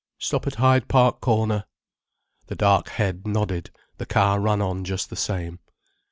"Stop at Hyde Park Corner." The dark head nodded, the car ran on just the same.